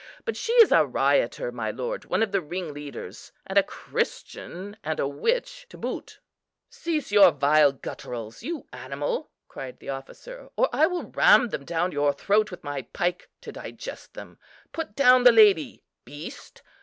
But she is a rioter, my lord, one of the ringleaders, and a Christian and a witch to boot." "Cease your vile gutturals, you animal!" cried the officer, "or I will ram them down your throat with my pike to digest them. Put down the lady, beast.